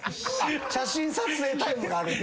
写真撮影タイムがあるんや。